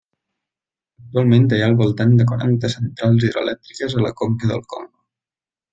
Actualment hi ha al voltant de quaranta centrals hidroelèctriques a la conca del Congo.